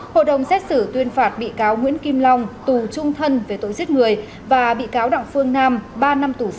hội đồng xét xử tuyên phạt bị cáo nguyễn kim long tù trung thân về tội giết người và bị cáo đặng phương nam ba năm tù giam về tội gây dối trật tự công